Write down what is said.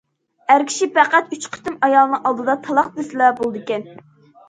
ئەر كىشى پەقەت ئۈچ قېتىم ئايالىنىڭ ئالدىدا تالاق دېسىلا بولىدىكەن.